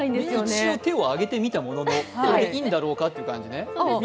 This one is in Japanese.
一応、手を挙げてみたもののこれでいいんだろうかという。